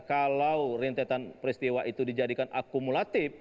kalau rentetan peristiwa itu dijadikan akumulatif